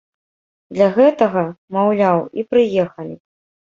Для гэтага, маўляў, і прыехалі.